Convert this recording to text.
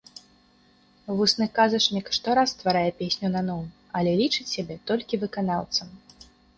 Вусны казачнік штораз стварае песню наноў, але лічыць сябе толькі выканаўцам.